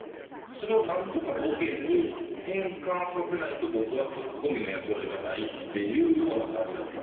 それをなんとかボケに変換させないと僕はツッコミの役割がないっていうような感じだったんで。